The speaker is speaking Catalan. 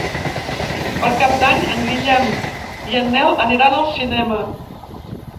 Per Cap d'Any en Guillem i en Nel aniran al cinema.